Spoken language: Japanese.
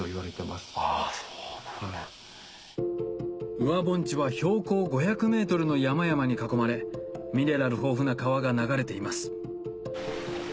宇和盆地は標高５００ｍの山々に囲まれミネラル豊富な川が流れています